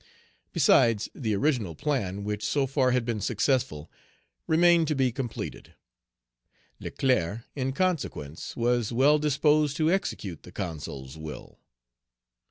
Besides, the original plan, which so far had been successful, remained to be completed. Leclerc, in consequence, was well disposed to execute the Consul's will.